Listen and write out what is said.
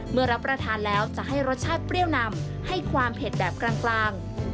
รับประทานแล้วจะให้รสชาติเปรี้ยวนำให้ความเผ็ดแบบกลาง